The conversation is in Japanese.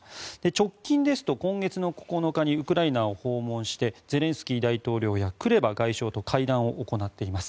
直近ですと今月の９日にウクライナを訪問してゼレンスキー大統領やクレバ外相と会談を行っています。